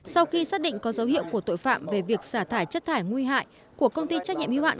sau khi xác định có dấu hiệu của tội phạm về việc xả thải chất thải nguy hại của công ty trách nhiệm hiếu hạn